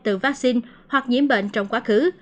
từ vaccine hoặc nhiễm bệnh trong quá khứ